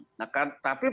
tapi perbuatannya ada gitu